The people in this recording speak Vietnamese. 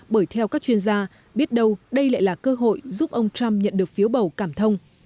bởi theo các chuyên gia biết đâu đây lại là cơ hội giúp ông trump nhận được phiếu bầu cảm thông